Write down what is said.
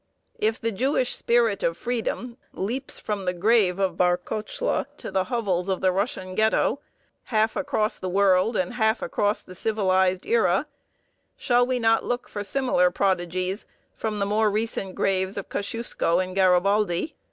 If the Jewish spirit of freedom leaps from the grave of Barkochla to the hovels of the Russian ghetto, half across the world and half across the civilized era, shall we not look for similar prodigies from the more recent graves of Kosciuszko and Garibaldi?